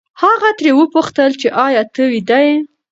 هغه ترې وپوښتل چې ایا ته ویده یې؟